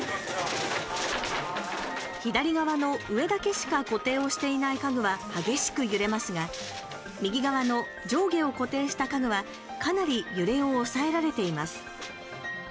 左側の、上だけしか固定をしていない家具は激しく揺れますが右側の上下を固定した家具はかなり揺れを抑えられています。